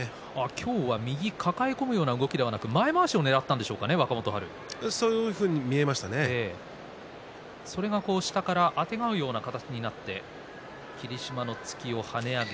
今日は右を抱え込むような動きではなく前まわしをねらったそういうふうにそれから下からあてがうような形になって霧島の突きを跳ね返し